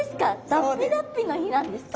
脱皮だっぴの日なんですか。